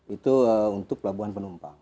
itu untuk pelabuhan penumpang